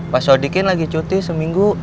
pak sodikin lagi cuti seminggu